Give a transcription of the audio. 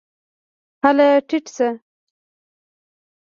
هله ټیټ شه !